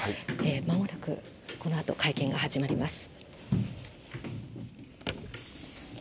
まもなく、このあと会見が始まります。